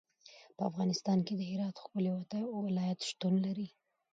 په افغانستان کې د هرات ښکلی ولایت شتون لري.